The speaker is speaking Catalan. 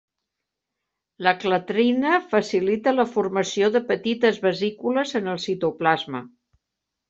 La clatrina facilita la formació de petites vesícules en el citoplasma.